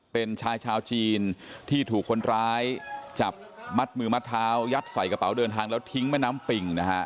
เป็นชายชาวจีนที่ถูกคนร้ายจับมัดมือมัดเท้ายัดใส่กระเป๋าเดินทางแล้วทิ้งแม่น้ำปิ่งนะฮะ